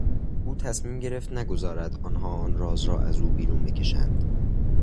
او تصمیم گرفت نگذارد آنها آن راز را از او بیرون بکشند.